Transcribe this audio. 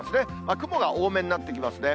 雲が多めになってきますね。